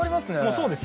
そうです。